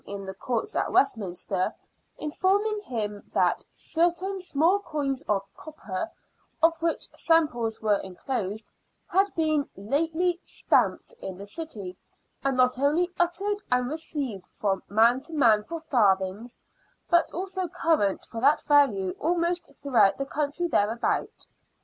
in the Courts at Westminster, informing him that " certain small coins of copper," of which samples were enclosed, had been " lately stamped " in the city, " and not only uttered and received from man to man for farthings, but also current for that value almost throughout the country thereabout."